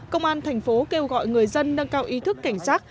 công an tp hcm kêu gọi người dân nâng cao ý thức cảnh sát